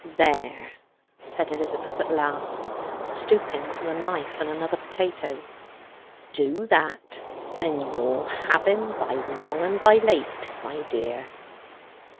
"There," said Elizabeth at length, stooping for the knife and another potato, "do that, and you'll have him by long and by late, my dear."